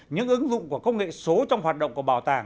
những ứng dụng của công nghệ số trong hoạt động của bảo tàng